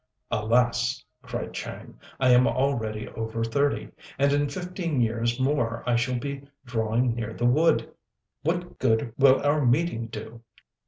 "Alas!" cried Chang, "I am already over thirty, and in fifteen years more I shall be drawing near the wood. What good will our meeting do?"